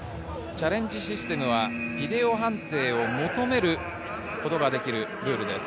チャレンジシステムはビデオ判定を求めることができるルールです。